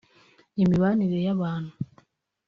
imibanire y’abantu